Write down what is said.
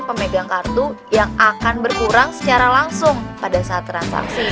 pemegang kartu yang akan berkurang secara langsung pada saat transaksi